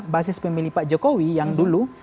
basis pemilih pak jokowi yang dulu